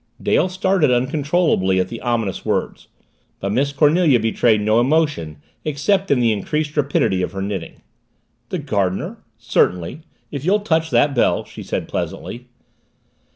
Dale started uncontrollably at the ominous words, but Miss Cornelia betrayed no emotion except in the increased rapidity of her knitting. "The gardener? Certainly, if you'll touch that bell," she said pleasantly.